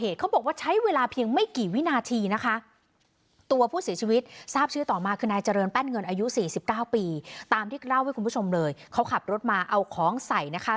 ตามที่เล่าให้คุณผู้ชมเลยเขาขับรถมาเอาของใส่นะคะ